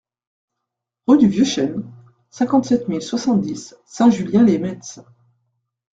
Rue du Vieux Chene, cinquante-sept mille soixante-dix Saint-Julien-lès-Metz